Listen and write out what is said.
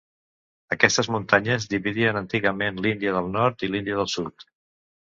Aquestes muntanyes dividien antigament l'Índia del nord de l'Índia del sud.